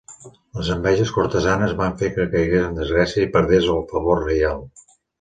Les enveges cortesanes van fer que caigués en desgràcia i perdés el favor reial.